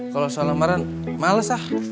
kalau soal lembaran males lah